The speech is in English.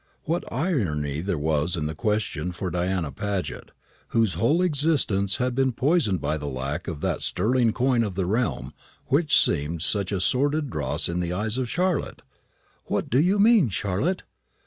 What irony there was in the question for Diana Paget, whose whole existence had been poisoned by the lack of that sterling coin of the realm which seemed such sordid dross in the eyes of Charlotte! "What do you mean, Charlotte?"